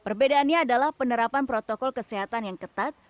perbedaannya adalah penerapan protokol kesehatan yang ketat